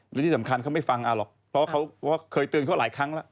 และที่สำคัญเขาไม่ฟังหรอกเพราะเขาเคยเตือนเขาหลายครั้งแล้ว